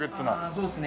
そうですね